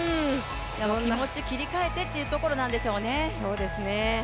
気持ち切り替えてっていうところなんでしょうね。